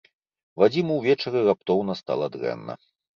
Вадзіму ўвечары раптоўна стала дрэнна.